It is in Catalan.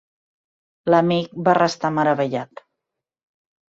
L’amic va restar meravellat.